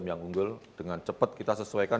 yang unggul dengan cepat kita sesuaikan